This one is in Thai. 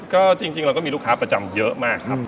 ก็จริงเราก็มีลูกค้าประจำเยอะมากครับ